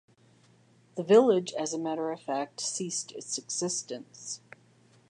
The village, as a matter of fact, ceased its existence.